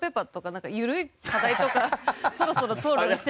なんか緩い課題とかそろそろ討論してみては？